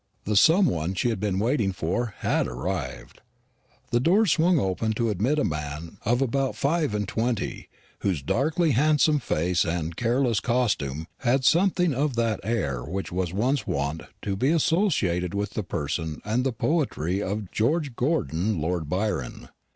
The some one she had been watching for had arrived. The doors swung open to admit a man of about five and twenty, whose darkly handsome face and careless costume had something of that air which was once wont to be associated with the person and the poetry of George Gordon Lord Byron.